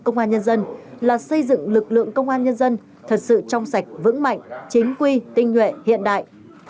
công an nhân dân là xây dựng lực lượng công an nhân dân thật sự trong sạch vững mạnh chính quy tinh nhuệ hiện đại